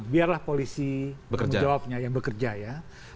biarlah polisi menjawabnya yang bekerja ya